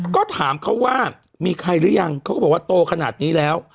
ก็ถามเขาว่ามีใครหรือยังเขาก็บอกว่าโตขนาดนี้แล้ว